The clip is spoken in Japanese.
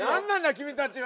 君たちは！？